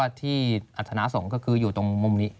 ที่อัธนาสงฆ์ก็คืออยู่ตรงมุมนี้